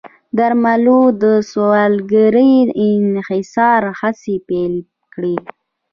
درملو د سوداګرۍ انحصار هڅې یې پیل کړې.